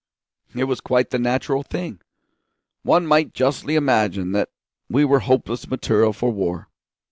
It was quite the natural thing. One might justly imagine that we were hopeless material for war.